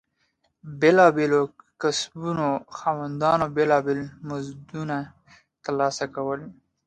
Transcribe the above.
بېلابېلو کسبونو خاوندانو بېلابېل مزدونه ترلاسه کول.